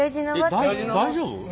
大丈夫？